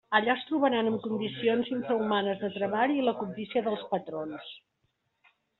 Allà es trobaran amb condicions infrahumanes de treball i la cobdícia dels patrons.